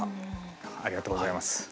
ありがとうございます。